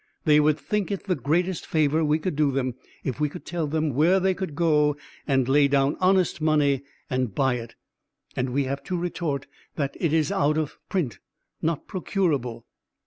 They would think it the greatest favour we could do them if we could tell them where they could go and lay down honest money and buy it. And we have to retort that it is out of print, not procurable.